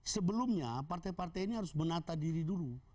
sebelumnya partai partai ini harus menata diri dulu